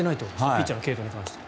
ピッチャーの継投に関しては。